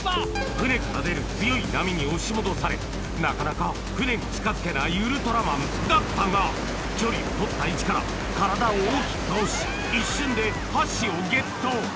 船から出る強い波に押し戻されなかなか船に近づけないウルトラマンだったが距離を取った位置から体を大きく倒し一瞬で箸をゲット！